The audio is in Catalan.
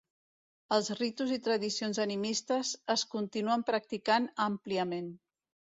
Els ritus i tradicions animistes es continuen practicant àmpliament.